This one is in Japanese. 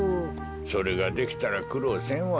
それができたらくろうせんわい。